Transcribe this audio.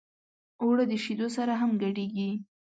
اوړه د شیدو سره هم ګډېږي